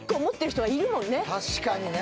確かにね。